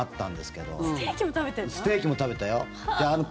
ステーキも食べてんの？